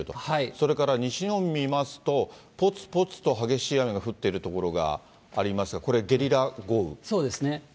それから西日本見ますと、ぽつぽつと激しい雨が降っている所がありますが、これ、そうですね。